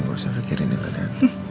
gak usah pikirin itu aja